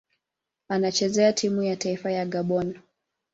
Anachezea timu ya taifa ya Gabon.